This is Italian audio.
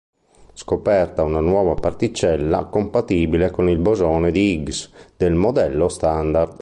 Scoperta una nuova particella compatibile con il Bosone di Higgs del Modello Standard.